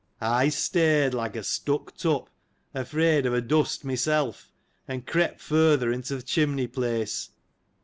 I stared like a stuck tup, afraid of a dust myself, and crept further into th' chimney place.